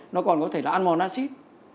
nó còn có thể là ăn mòn acid